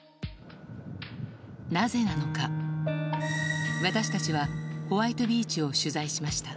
なぜなのか、私たちはホワイトビーチを取材しました。